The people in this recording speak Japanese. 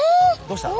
どうした？